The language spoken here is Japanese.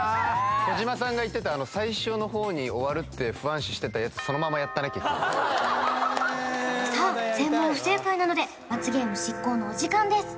児嶋さんが言ってた最初の方に終わるって不安視してたやつそのままやったね結局さあ全問不正解なので罰ゲーム執行のお時間です